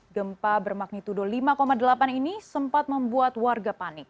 gempa bermagnitudo lima delapan ini sempat membuat warga panik